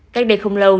cách đây không lâu